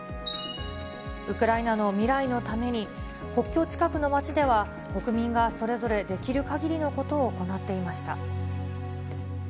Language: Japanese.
ウクライナの未来のために、国境近くの町では、国民がそれぞれできるかぎりのことを行っていました。